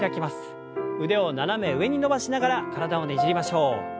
腕を斜め上に伸ばしながら体をねじりましょう。